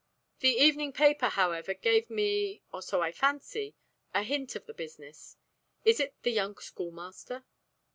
The evening paper, however, gave me or so I fancy a hint of the business. Is it the young schoolmaster?"